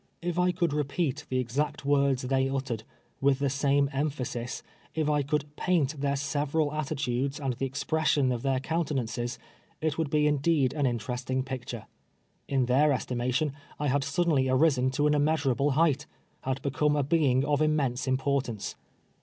If I could repeat the exact words they uttered, with the same emphasis — if I could paint their several attitudes, and the expi ession of their countenances — it would be indeed an interesting picture. In their estimation, I had suddenly arisen to an immeasurable height — had become a being of immense importance.